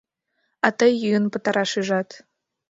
А тый йӱын пытараш ӱжат.